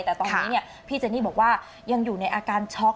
แต่ตอนนี้พี่เจนี่บอกว่ายังอยู่ในอาการช็อก